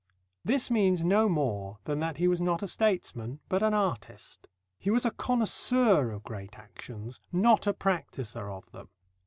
This means no more than that he was not a statesman, but an artist. He was a connoisseur of great actions, not a practicer of them.